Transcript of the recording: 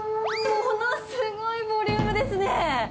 ものすごいボリュームですね。